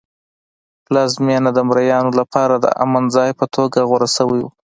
پلازمېنه د مریانو لپاره د امن ځای په توګه غوره شوی و.